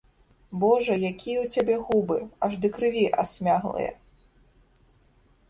Божа, якія ў цябе губы, аж да крыві асмяглыя.